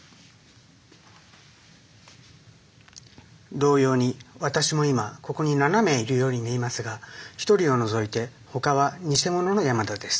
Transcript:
同様に私も今ここに７名いるように見えますが一人を除いてほかはニセモノの山田です。